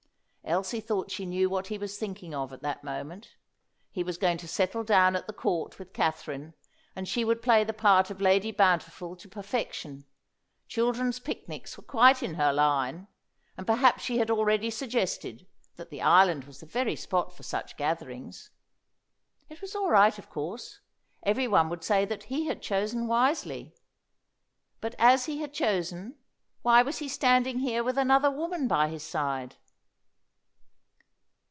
Elsie thought she knew what he was thinking of at that moment. He was going to settle down at the Court with Katherine, and she would play the part of Lady Bountiful to perfection; children's picnics were quite in her line, and perhaps she had already suggested that the island was the very spot for such gatherings. It was all right, of course; every one would say that he had chosen wisely. But, as he had chosen, why was he standing here with another woman by his side?